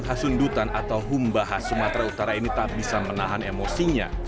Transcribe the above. dua orang anggota dprd humbang hasundutan atau humbahas sumatera utara ini tak bisa menahan emosinya